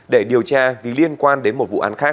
để điều tra vì liên quan đến một vụ án khác